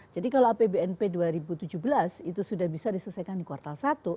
jadi kalau apbnp dua ribu tujuh belas itu sudah bisa diselesaikan di kuartal satu